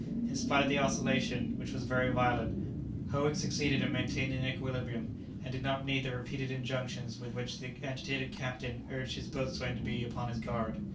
In spite of the oscillation, which was very violent, Howick succeeded in maintaining equilibrium, and did not need the repeated injunctions with which the agitated captain urged his boatswain to be upon his guard.